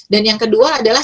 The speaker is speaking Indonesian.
dan yang kedua adalah